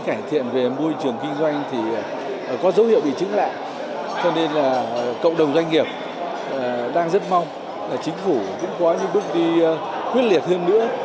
cho nên là cộng đồng doanh nghiệp đang rất mong là chính phủ cũng có những bước đi quyết liệt hơn nữa